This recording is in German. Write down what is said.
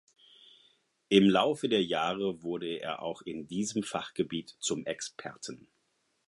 Im Laufe der Jahre wurde er auch in diesem Fachgebiet zum Experten.